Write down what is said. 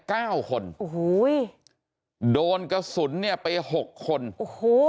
เก้าคนโอ้โหโดนกระสุนเนี่ยไปหกคนโอ้โห